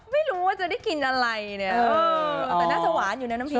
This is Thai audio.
ไม่รู้ว่าจะได้กินอะไรเนี่ยแต่น่าจะหวานอยู่ในน้ำชี